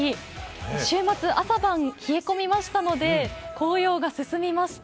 週末、朝晩冷え込みましたので紅葉が進みました。